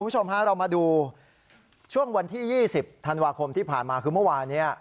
คุณผู้ชมฮะเรามาดูช่วงวันที่๒๐ธันวาคมที่ผ่านมาคือเมื่อวานนี้